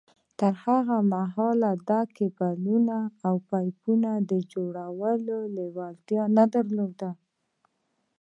تر هغه مهاله ده د کېبلو او پايپونو جوړولو ته لېوالتيا نه درلوده.